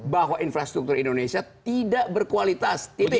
bahwa infrastruktur indonesia tidak berkualitas